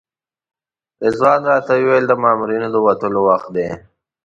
رضوان راته وویل د مامورینو د وتلو وخت دی.